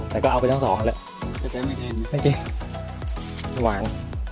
แต่ก็เอาไปตั้งสองกันแหละไม่กินหวาน